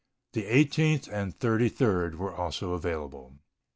The Eighteenth and Thirty third were also available.